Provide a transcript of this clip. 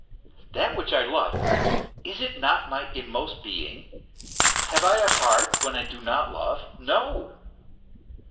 That which I love is it not my inmost being ? Have I a heart when I do not love ? No